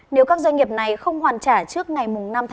nếu các doanh nghiệp này không hoàn trả trước ngày năm